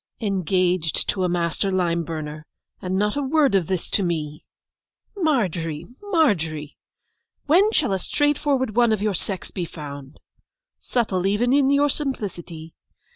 'Engaged to a master lime burner, and not a word of this to me! Margery, Margery! when shall a straightforward one of your sex be found! Subtle even in your simplicity!